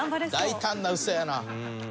大胆なウソやな。